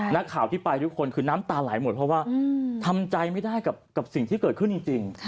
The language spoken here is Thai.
นักข่าวที่ไปทุกคนคือน้ำตาไหลหมดเพราะว่าทำใจไม่ได้กับสิ่งที่เกิดขึ้นจริง